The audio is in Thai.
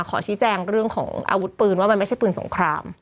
ขอชี้แจงเรื่องของอาวุธปืนว่ามันไม่ใช่ปืนสงคราม